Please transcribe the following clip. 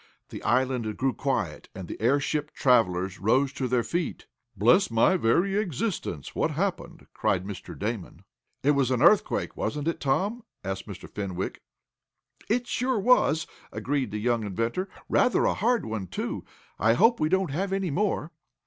The island grew quiet and the airship travelers rose to their feet. "Bless my very existence! What happened?" cried Mr. Damon. "It was an earthquake; wasn't it, Tom?" asked Mr. Fenwick. "It sure was," agreed the young inventor. "Rather a hard one, too. I hope we don't have any more."